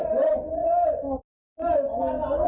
บ้าแล้วหนะว่างแห๊บ